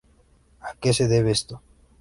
A que se debe esto?